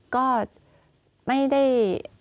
ก็ไม่ได้